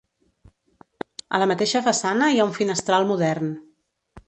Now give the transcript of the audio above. A la mateixa façana hi ha un finestral modern.